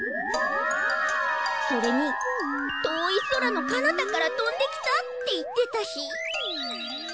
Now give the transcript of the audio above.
それに遠い空のかなたから飛んできたって言ってたし。